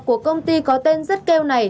của công ty có tên rất kêu này